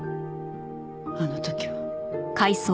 あの時は。